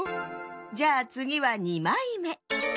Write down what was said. じゃあつぎは２まいめ！